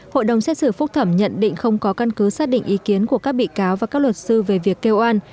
hội đồng xét xử phúc thẩm nhận định không có căn cứ xác định ý kiến của các bị cáo và các luật sư về việc kêu an